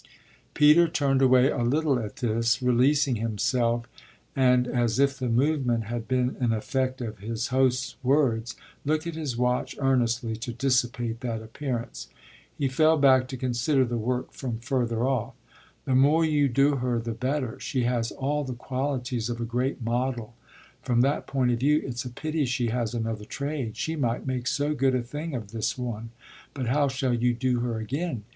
Peter turned away a little at this, releasing himself, and, as if the movement had been an effect of his host's words, looked at his watch earnestly to dissipate that appearance. He fell back to consider the work from further off. "The more you do her the better she has all the qualities of a great model. From that point of view it's a pity she has another trade: she might make so good a thing of this one. But how shall you do her again?"